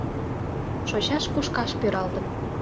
Шочаш-кушкаш пӱралтын -